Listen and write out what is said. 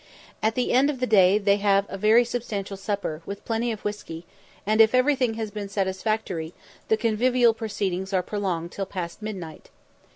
At the end of the day they have a very substantial supper, with plenty of whisky, and, if everything has been satisfactory, the convivial proceedings are prolonged till past midnight.